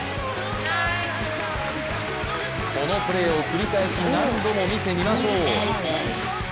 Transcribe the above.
このプレーを繰り返し何度も見てみましょう。